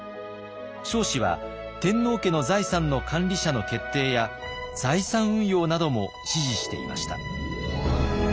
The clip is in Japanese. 彰子は天皇家の財産の管理者の決定や財産運用なども指示していました。